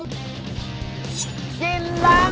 กินล้างบาง